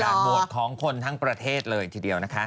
โหวตของคนทั้งประเทศเลยทีเดียวนะคะ